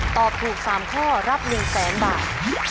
ตอบถูกสามข้อรับ๑๐๐๐๐๐๐บาท